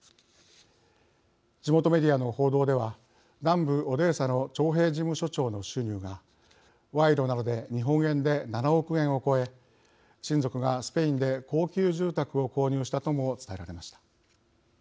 地元メディアの報道では南部オデーサの徴兵事務所長の収入が賄賂などで日本円で７億円を超え親族がスペインで高級住宅を購入したとも伝えられました。